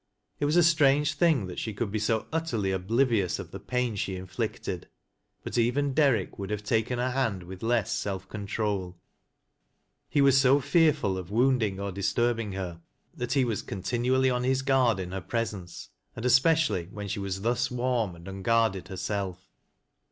It was a strange thing that she coiild be 30 utterly oblivioiiB of the pain slie inflicted. But even Derrick would have taken her hand with less self control He was so fearful of wounding or disturbing her, that he wae continually on his guard in her presence, and espe cially when she was thus warm and unguarded herself.